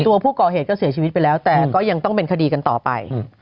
ตัวผู้ก่อเหตุก็เสียชีวิตไปแล้วแต่ก็ยังต้องเป็นคดีกันต่อไป